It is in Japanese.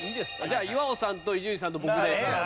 じゃあ岩尾さんと伊集院さんと僕で。